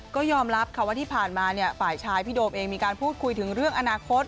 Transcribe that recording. ก็ยอมรับค่ะว่าที่ผ่านมาฝ่ายชายพี่โดมเองมีการพูดคุยถึงเรื่องอนาคต